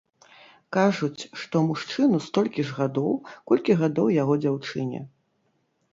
Кажуць, што мужчыну столькі ж гадоў, колькі гадоў яго дзяўчыне.